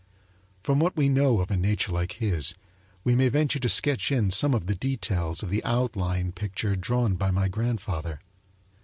From what we know of a nature like his we may venture to sketch in some of the details of the outline picture drawn by my grandfather.